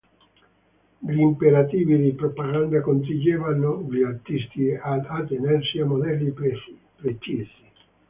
Gli imperativi di propaganda costringevano gli artisti ad attenersi a modelli precisi.